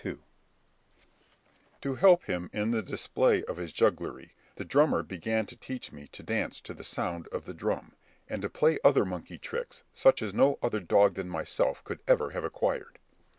Berg. To help him in the display of his jugglery, the drummer began to teach me to dance to the sound of the drum, and to play other monkey tricks such as no other dog than myself could ever have acquired.